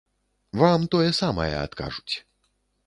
Вам тое самае адкажуць.